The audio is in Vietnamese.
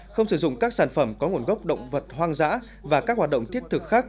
không sử dụng các sản phẩm có nguồn gốc động vật hoang dã và các hoạt động thiết thực khác